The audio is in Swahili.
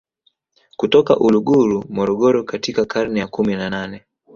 kutoka Uluguru Morogoro katika karne ya kumi na nane